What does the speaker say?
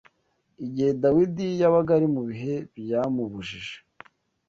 Igihe Dawidi yabaga ari mu bihe byamubujije